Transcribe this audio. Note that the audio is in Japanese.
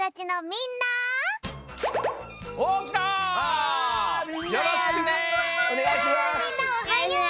みんなおはよう！